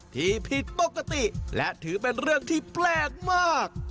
ที่ผิดปกติและถือเป็นเรื่องที่แปลกมาก